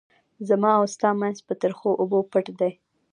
زما او ستا منزل په تریخو اوبو پټ دی.